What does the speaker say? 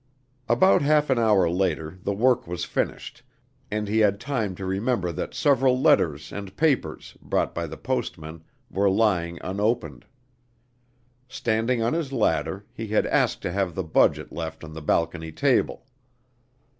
About half an hour later the work was finished, and he had time to remember that several letters and papers, brought by the postman, were lying unopened. Standing on his ladder, he had asked to have the budget left on the balcony table.